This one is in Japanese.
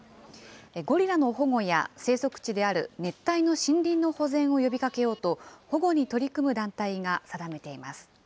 ゴリラの保護や生息地である熱帯の森林の保全を呼びかけようと、保護に取り組む団体が定めています。